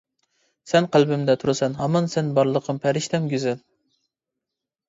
سەن قەلبىمدە تۇرىسەن ھامان سەن بارلىقىم، پەرىشتەم گۈزەل.